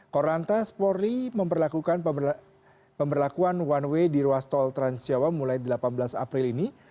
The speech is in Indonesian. korlantas polri memperlakukan pemberlakuan one way di ruas tol transjawa mulai delapan belas april ini